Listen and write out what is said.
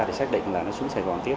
thì xác định là nó xuống sài gòn tiếp